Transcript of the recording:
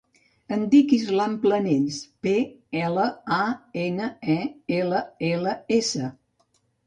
Em dic Islam Planells: pe, ela, a, ena, e, ela, ela, essa.